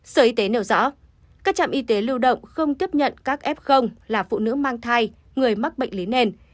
sở y tế nêu rõ các trạm y tế lưu động không tiếp nhận các f là phụ nữ mang thai người mắc bệnh lý nền